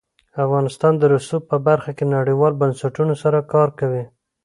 افغانستان د رسوب په برخه کې نړیوالو بنسټونو سره کار کوي.